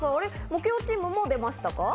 木曜チームも出ましたか？